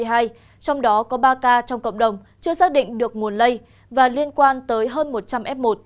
trong đó có ba ca trong cộng đồng chưa xác định được nguồn lây và liên quan tới hơn một trăm linh f một